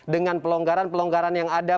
dengan pelonggaran pelonggaran yang ada